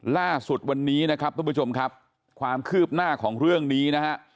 ล่าสุดวันนี้นะครับทุกผู้ชมครับความคืบหน้าของเรื่องนี้นะฮะ